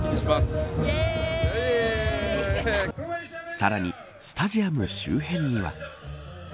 さらに、スタジアム周辺には。